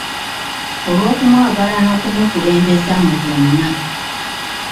Olw’okumwagala n’okumukulembeza mu byonna.